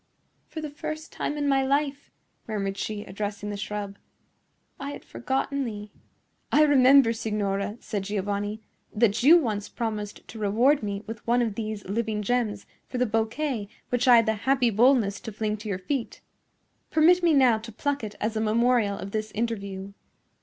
"For the first time in my life," murmured she, addressing the shrub, "I had forgotten thee." "I remember, signora," said Giovanni, "that you once promised to reward me with one of these living gems for the bouquet which I had the happy boldness to fling to your feet. Permit me now to pluck it as a memorial of this interview."